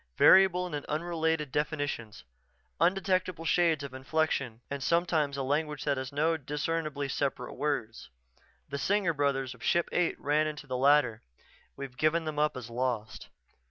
"Variable and unrelated definitions, undetectable shades of inflection and sometimes a language that has no discernibly separate words. The Singer brothers of Ship Eight ran into the latter. We've given them up as lost."